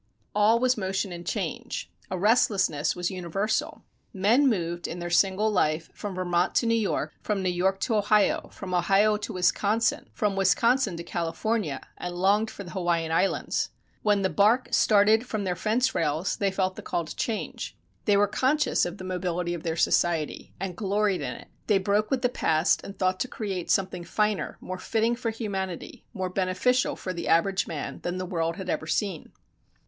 All was motion and change. A restlessness was universal. Men moved, in their single life, from Vermont to New York, from New York to Ohio, from Ohio to Wisconsin, from Wisconsin to California, and longed for the Hawaiian Islands. When the bark started from their fence rails, they felt the call to change. They were conscious of the mobility of their society and gloried in it. They broke with the Past and thought to create something finer, more fitting for humanity, more beneficial for the average man than the world had ever seen.